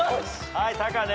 はいタカね。